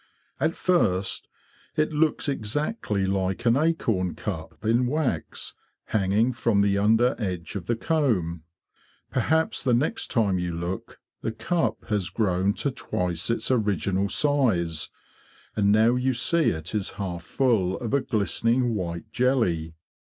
At first it looks exactly like an acorn cup in wax hanging from the under edge of the comb. Per haps the next time you look the cup has grown to twice its original size; and now you see it is half full of a glistening white jelly.